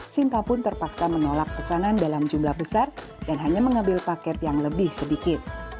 sinta pun terpaksa menolak pesanan dalam jumlah besar dan hanya mengambil paket yang lebih sedikit